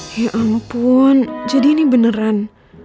ya ampun jadi ini beneran